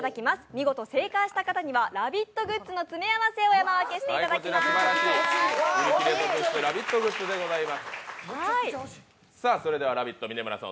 見事正解した方にはラヴィット！グッズ詰め合わせをプレゼントいたします。